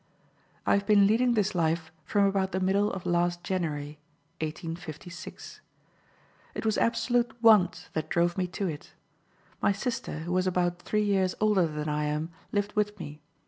"I have been leading this life from about the middle of last January (1856). It was absolute want that drove me to it. My sister, who was about three years older than I am, lived with me.